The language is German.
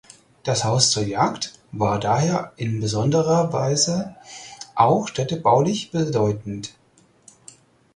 Das Haus Zur Jagd war daher in besonderer Weise auch städtebaulich bedeutend.